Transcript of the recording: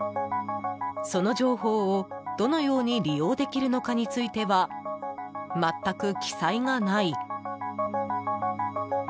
その情報を、どのように利用できるのかについては全く記載がない。